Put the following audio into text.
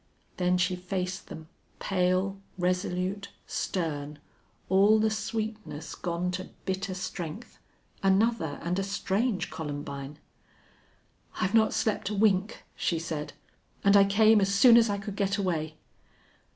Then she faced them, pale, resolute, stern, all the sweetness gone to bitter strength another and a strange Columbine. "I've not slept a wink!" she said. "And I came as soon as I could get away."